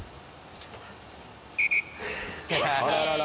あららら。